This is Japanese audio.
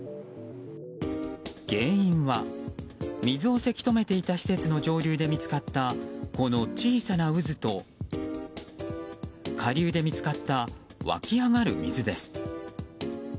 原因は、水をせき止めていた施設の上流で見つかったこの小さな渦と下流で見つかった湧き上がる水です。